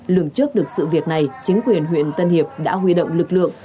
lường trước được sự việc này chính quyền huyện tân hiệp đã huy động lực lượng